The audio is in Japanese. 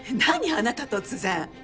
あなた突然！